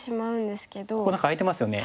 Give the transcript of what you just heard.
ここ何か空いてますよね。